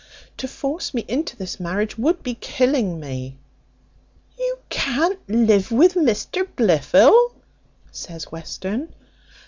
To force me into this marriage would be killing me." "You can't live with Mr Blifil?" says Western.